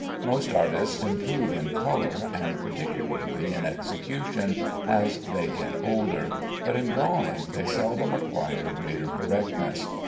Most artists improve in color, and particularly in execution, as they get older, but in drawing they seldom acquire greater correctness.